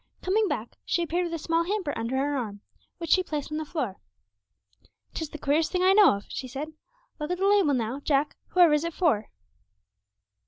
Coming back, she appeared with a small hamper under her arm, which she placed on the floor. ''Tis the queerest thing I know of,' she said; 'look at the label now, Jack; whoever is it for?'